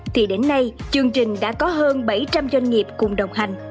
thì đến nay chương trình đã có hơn bảy trăm linh doanh nghiệp cùng đồng hành